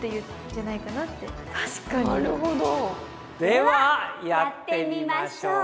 ではやってみましょうか！